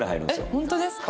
本当ですか？